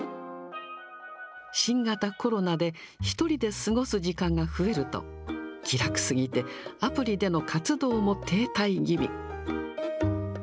新型コロナで、１人で過ごす時間が増えると、気楽すぎて、アプリでの活動も停滞気味。